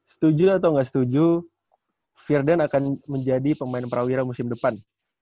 setuju atau nggak setuju virdan akan menjadi pemain prawira musim depan